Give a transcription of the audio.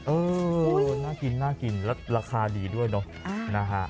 เออน่ากินน่ากินแล้วราคาดีด้วยเนอะนะฮะ